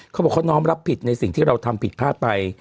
เขาบอกเขาน้อมรับผิดในสิ่งที่เราทำผิดพลาดไป